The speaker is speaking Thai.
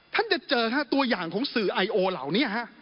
ท่านจะเจอตัวอย่างของสื่อไอโอเหล่านี้ฮะ